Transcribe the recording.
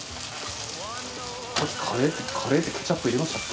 カレーってケチャップ入れましたっけ？